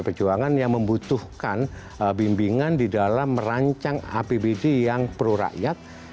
pdi perjuangan yang membutuhkan bimbingan di dalam merancang apbd yang pro rakyat